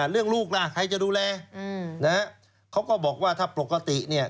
เรื่องลูกล่ะใครจะดูแลเขาก็บอกว่าถ้าปกติเนี่ย